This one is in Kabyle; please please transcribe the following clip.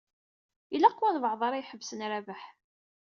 Ilaq walebɛaḍ ara iḥebsen Rabaḥ.